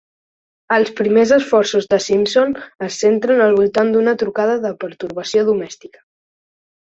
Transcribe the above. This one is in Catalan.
Els primers esforços de Simpson es centren al voltant d'una trucada de pertorbació domèstica.